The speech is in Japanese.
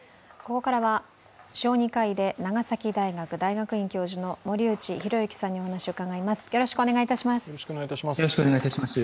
ここからは小児科医で長崎大学大学院教授の森内浩幸さんにお話を伺います。